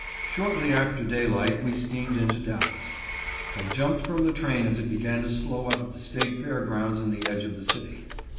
Shortly after daylight we steamed into Dallas. I jumped from the train as it began to slow up at the State Fair Grounds in the edge of the city.